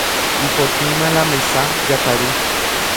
Ipotĩma la mesa, jakaru.